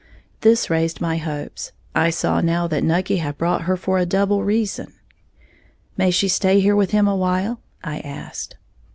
This raised my hopes. I saw now that Nucky had brought her for a double reason. "May she stay here with him a while?" I asked.